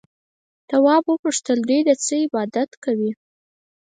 تواب وپوښتل دوی د څه عبادت کوي؟